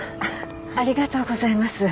ありがとうございます。